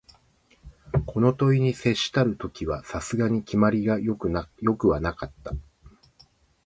この問に接したる時は、さすがに決まりが善くはなかった